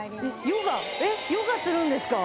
ヨガするんですか？